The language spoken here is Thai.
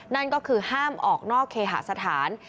นั่นก็คือห้ามออกนอกเคหาสถาน